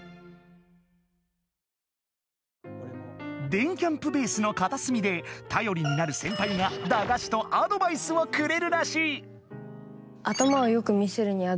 電キャんぷベースのかたすみでたよりになるセンパイがだがしとアドバイスをくれるらしい。